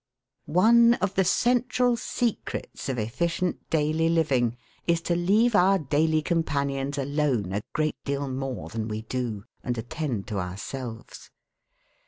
One of the central secrets of efficient daily living is to leave our daily companions alone a great deal more than we do, and attend to ourselves.